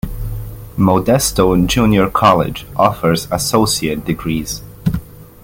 Modesto Junior College offers Associate Degrees.